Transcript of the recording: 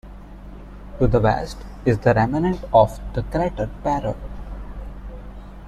To the west is the remnant of the crater Parrot.